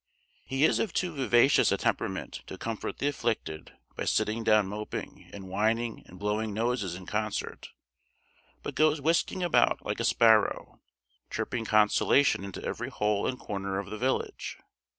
He is of too vivacious a temperament to comfort the afflicted by sitting down moping and whining and blowing noses in concert; but goes whisking about like a sparrow, chirping consolation into every hole and corner of the village.